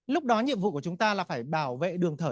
lúc đó nhiệm vụ của chúng ta là phải bảo vệ đường thở